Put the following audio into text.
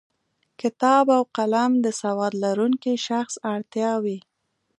کتابچه او قلم د سواد لرونکی شخص اړتیا وي